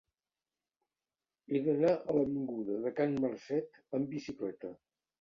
He d'anar a l'avinguda de Can Marcet amb bicicleta.